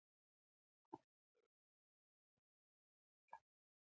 ازادي راډیو د د انتخاباتو بهیر په اړه د کارګرانو تجربې بیان کړي.